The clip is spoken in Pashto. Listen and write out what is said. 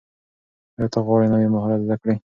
ایا ته غواړې نوي مهارت زده کړې؟